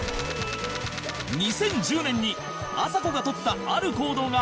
２０１０年にあさこが取ったある行動がきっかけだった